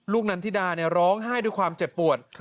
นันทิดาร้องไห้ด้วยความเจ็บปวด